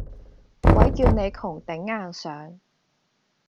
鬼叫你窮頂硬上